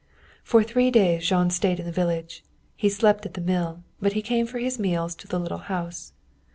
For three days Jean stayed in the village. He slept at the mill, but he came for his meals to the little house.